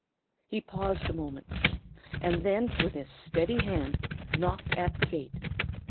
He paused a moment, and then with a steady hand knocked at the gate.